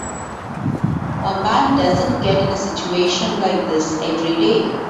A man doesn't get in a situation like this every day.